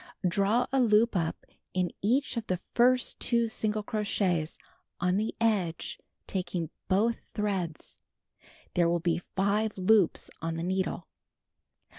Draw a loop up in each of the first two single crochets on the edge taking both threads. There will be 5 loops on the needle.